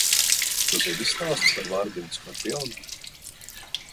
Tu zini stāstu par vardi un skorpionu?